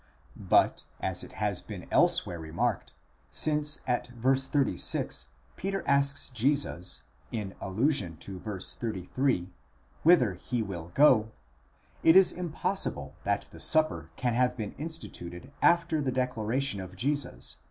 But, as it has been elsewhere remarked,' since at v. 36 Peter asks Jesus, in allusion to v. 33, whither he will go, it is impossible that the Supper can have been instituted after the declaration of Jesus v.